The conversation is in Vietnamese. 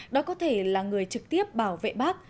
đó có thể là người trực tiếp bảo vệ bác